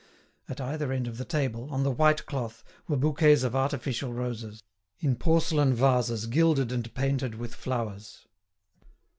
At either end of the table, on the white cloth, were bouquets of artificial roses, in porcelain vases gilded and painted with flowers.